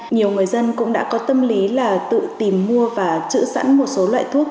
nhiều người dân cũng đã có tâm lý là tự tìm mua và chữ sẵn một số loại thuốc